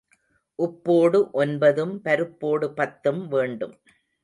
உப்போடு ஒன்பதும் பருப்போடு பத்தும் வேண்டும்.